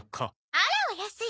あらお安い！